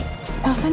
apa yang kamu lakukan